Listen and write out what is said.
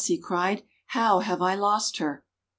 he cried, "how have I lost her!'